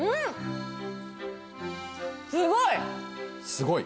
すごい！